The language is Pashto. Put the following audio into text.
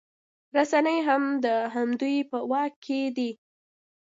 رسنۍ هم د همدوی په واک کې دي